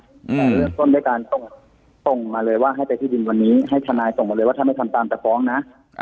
แต่เริ่มต้นด้วยการส่งมาเลยว่าให้ไปที่ดินวันนี้ให้ทนายส่งมาเลยว่าถ้าไม่ทำตามจะฟ้องนะ